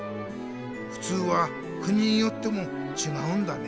「ふつう」は国によってもちがうんだね。